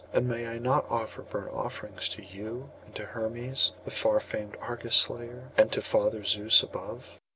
And may I not offer burnt offerings to you, and to Hermes the far famed Argus slayer, and to Father Zeus above?